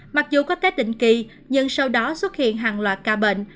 mặc dù có te định kỳ nhưng sau đó xuất hiện hàng loạt ca bệnh